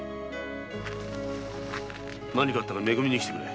何かあったら「め組」に来てくれ。